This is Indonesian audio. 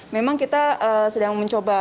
memang kita sedang mencoba